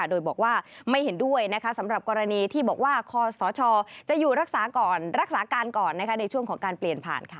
โดยบอกว่าไม่เห็นด้วยสำหรับกรณีที่บอกว่าคอสชจะอยู่รักษาก่อนรักษาการก่อนในช่วงของการเปลี่ยนผ่านค่ะ